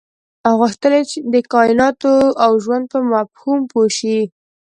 غوښتل یې د کایناتو او ژوند په مفهوم پوه شي.